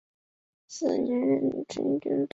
翌年升任金门总兵。